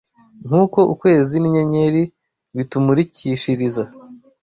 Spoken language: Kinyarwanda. Nk’uko ukwezi n’inyenyeri bitumurikishiriza